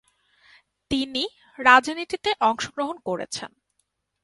তিনি রাজনীতিতে অংশগ্রহণ করেছেন।